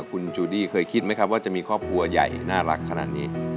คุณจูดี้เคยคิดไหมครับว่าจะมีครอบครัวใหญ่น่ารักขนาดนี้